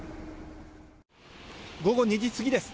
午後２時過ぎです。